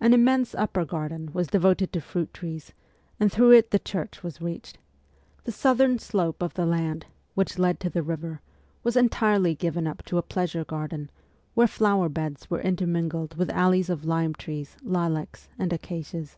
An immense ' upper garden ' was devoted to fruit trees, and through it the church was reached. The southern slope of the land, which led to the river, was entirely given up to a pleasure garden, where flower beds were intermingled with alleys of lime trees, lilacs, and acacias.